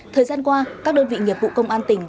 thời gian qua các đơn vị nghiệp vụ công an tỉnh